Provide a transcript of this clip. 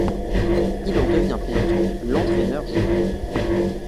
Il en devient bientôt l'entraîneur-joueur.